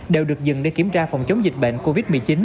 đều được dừng để kiểm tra phòng chống dịch bệnh covid một mươi chín